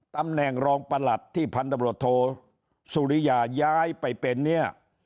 ตำแหน่งรองประหลัดที่พันธบรวจโทสุริยาย้ายไปเป็นเนี่ย